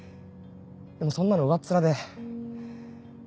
でもそんなの上っ面で。